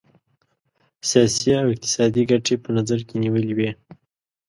سیاسي او اقتصادي ګټي په نظر کې نیولي وې.